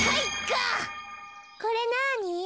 これなに？